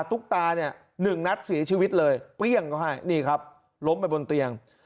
ตุ๊กตาเนี่ยหนึ่งนัดเสียชีวิตเลยเปรี้ยงเขาให้นี่ครับล้มไปบนเตียง